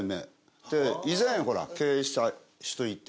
以前ほら経営した人いて。